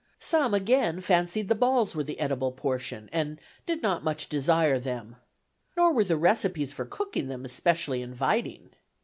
Some again fancied the balls were the edible portion, and "did not much desire them." Nor were the recipes for cooking them specially inviting.